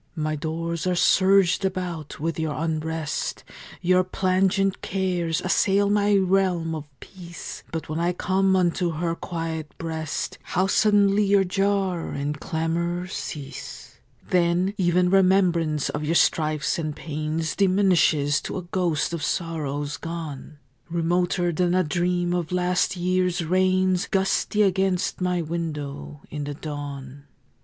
My doors are surged about with your unrest; Your plangent cares assail my realm of peace; But when I come unto her quiet breast How suddenly your jar and clamor cease! Then even remembrance of your strifes and pains Diminishes to a ghost of sorrows gone, Remoter than a dream of last year's rains Gusty against my window in the dawn.